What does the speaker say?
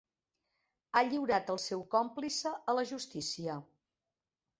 Ha lliurat el seu còmplice a la justícia.